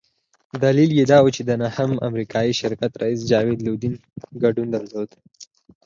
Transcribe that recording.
دلیل یې دا وو چې د انهم امریکایي شرکت رییس جاوید لودین ګډون درلود.